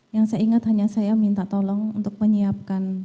yang saya ingat hanya saya minta tolong untuk menyiapkan